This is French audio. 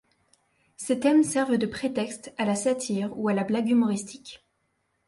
Ces thèmes servent de prétexte à la satire ou à la blague humoristique.